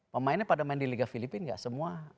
pemainnya pada main di liga filipina gak semua